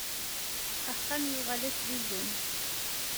Axxam yuɣal-as d izem.